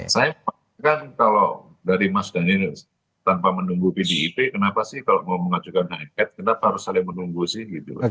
saya kan kalau dari mas daniel tanpa menunggu pdip kenapa sih kalau mau mengajukan hak et kenapa harus saling menunggu sih gitu